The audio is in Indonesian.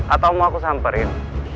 atau mau aku samperin